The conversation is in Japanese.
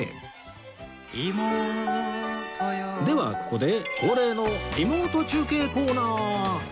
ではここで恒例のリモート中継コーナー